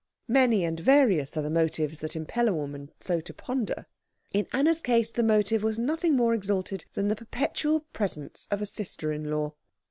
Many and various are the motives that impel a woman so to ponder; in Anna's case the motive was nothing more exalted than the perpetual presence of a sister in law.